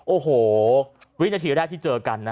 โอ้โหวินาทีแรกที่เจอกันนะ